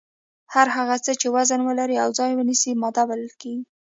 هر هغه څه چې وزن ولري او ځای ونیسي ماده بلل کیږي.